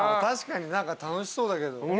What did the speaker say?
確かに楽しそうだけど。